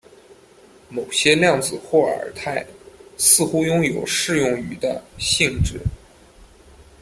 某些量子霍尔态似乎拥有适用于的性质。